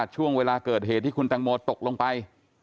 ช่วงเวลาเกิดเหตุที่คุณแตงโมตกลงไป